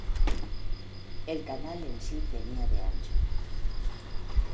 El canal en sí tenía de ancho.